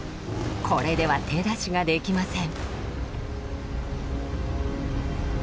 これでは手出しができません。